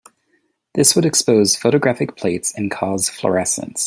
This would expose photographic plates and cause fluorescence.